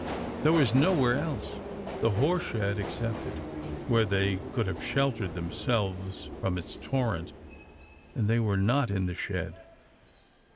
There was nowhere else the horse shed excepted where they could have sheltered! themselves from its torrent; and they were not in the shed.